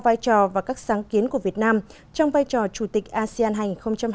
vai trò và các sáng kiến của việt nam trong vai trò chủ tịch asean hai nghìn hai mươi